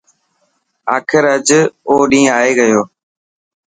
آخر اڄ او ڏينهن آي گيو.